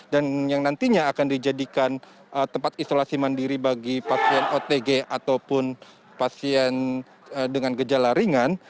dan yang nantinya akan dijadikan tempat isolasi mandiri bagi pasien otg ataupun pasien dengan gejala ringan